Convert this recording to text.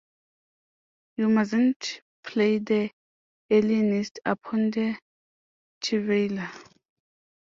You mustn't play the alienist upon the Chevalier.